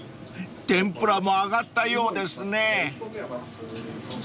天ぷらも揚がったようですね］